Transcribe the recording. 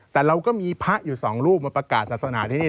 แต่เราก็มีพระอยู่สองรูปมาประกาศศาสนาที่นี่